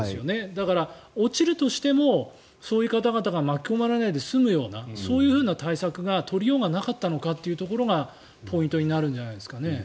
だから、落ちるとしてもそういう方々が巻き込まれないで済むような対策が取りようがなかったのかというところがポイントになるんじゃないですかね。